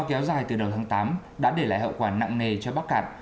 kéo dài từ đầu tháng tám đã để lại hậu quả nặng nề cho bắc cạn